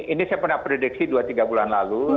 ini saya pernah prediksi dua tiga bulan lalu